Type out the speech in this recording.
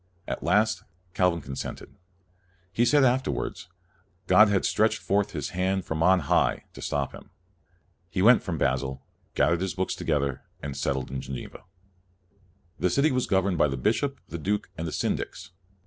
At last, Cal vin consented. He said afterwards that " God had stretched forth His hand from on high ' to stop him. He went to Basel, gathered his books together, and settled in Geneva. io8 CALVIN The city was governed by the bishop, the duke, and the Syndics.